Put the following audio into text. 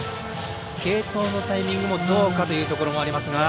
継投のタイミングもどうかというところもありますが。